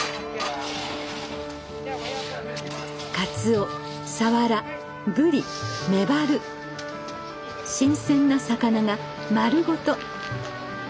カツオサワラブリメバル新鮮な魚が丸ごと。